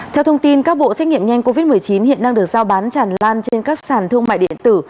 theo thông tin các bộ xét nghiệm nhanh covid một mươi chín hiện đang được giao bán tràn lan trên các sàn thương mại điện tử